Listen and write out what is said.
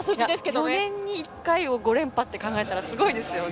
４年に１回を５連覇って考えたらすごいですよね。